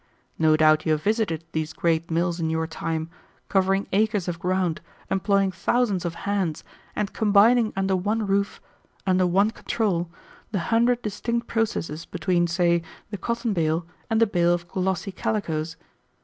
No doubt you have visited these great mills in your time, covering acres of ground, employing thousands of hands, and combining under one roof, under one control, the hundred distinct processes between, say, the cotton bale and the bale of glossy calicoes.